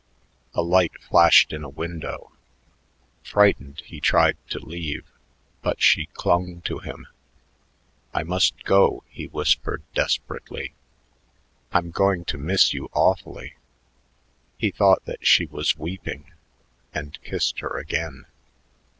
A light flashed in a window. Frightened, he tried to leave, but she clung to him. "I must go," he whispered desperately. "I'm going to miss you awfully." He thought that she was weeping and kissed her again.